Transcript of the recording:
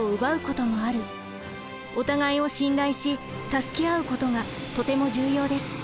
お互いを信頼し助け合うことがとても重要です。